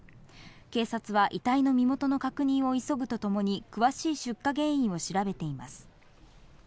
警察は、遺体の身元の確認を急ぐとともに、詳しい出火原因を調べています。